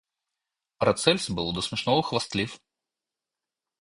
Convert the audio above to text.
Парацельс был до смешного хвастлив.